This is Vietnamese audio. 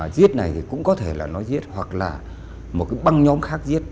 giết này cũng có thể là nó giết hoặc là một băng nhóm khác giết